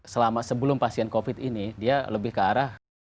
selama sebelum pasien covid ini dia lebih ke arah